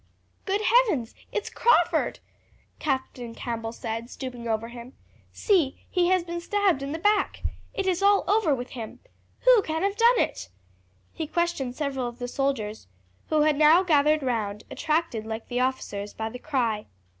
"Good heavens, it is Crawford!" Captain Campbell said, stooping over him. "See, he has been stabbed in the back. It is all over with him. Who can have done it?" He questioned several of the soldiers, who had now gathered round, attracted like the officers by the cry.